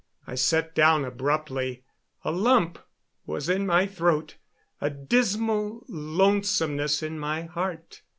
I sat down abruptly. A lump was in my throat, a dismal lonesomeness in my heart.